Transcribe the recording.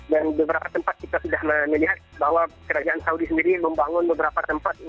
dan beberapa tempat kita sudah melihat bahwa kerajaan saudi sendiri membangun beberapa tempat